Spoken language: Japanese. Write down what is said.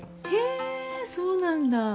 へぇそうなんだ。